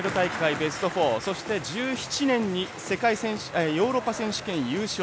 ベスト４そして１７年にヨーロッパ選手権優勝